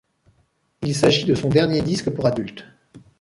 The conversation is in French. Il s'agit de son dernier disque pour adultes.